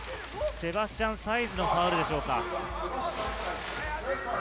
セバスチャン・サイズのファウルでしょうか。